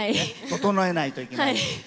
整えないといけない。